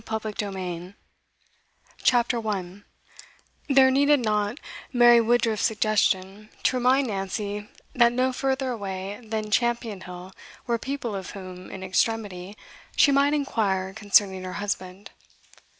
Part V: Compassed Round CHAPTER 1 There needed not Mary Woodruff's suggestion to remind Nancy that no further away than Champion Hill were people of whom, in extremity, she might inquire concerning her husband.